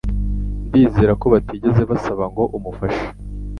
Ndizera ko batigeze basaba ngo amufashe